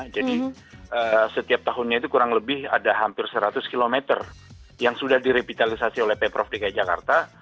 jadi setiap tahunnya itu kurang lebih ada hampir seratus km yang sudah direvitalisasi oleh pemprov dki jakarta